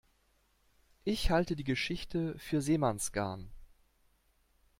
Ich halte die Geschichte für Seemannsgarn.